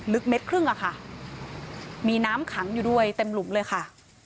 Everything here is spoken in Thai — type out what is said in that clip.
เม็ดครึ่งอะค่ะมีน้ำขังอยู่ด้วยเต็มหลุมเลยค่ะ